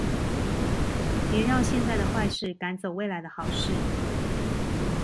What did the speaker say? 別讓現在的壞事趕走未來的好事